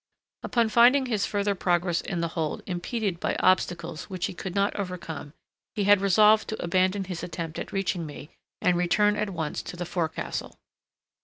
Upon finding his further progress in the hold impeded by obstacles which he could not overcome, he had resolved to abandon his attempt at reaching me, and return at once to the forecastle.